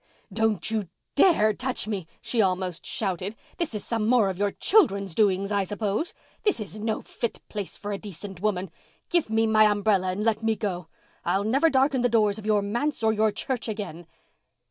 "Don't you dare to touch me," she almost shouted. "This is some more of your children's doings, I suppose. This is no fit place for a decent woman. Give me my umbrella and let me go. I'll never darken the doors of your manse or your church again."